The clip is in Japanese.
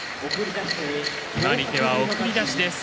決まり手は、送り出しです。